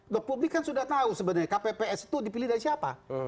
republik kan sudah tahu sebenarnya kpps itu dipilih dari siapa